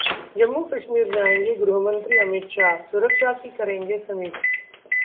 जम्मू-कश्मीर जाएंगे गृहमंत्री अमित शाह, सुरक्षा की करेंगे समीक्षा